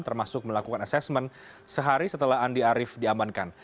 termasuk melakukan asesmen sehari setelah andi arief diamankan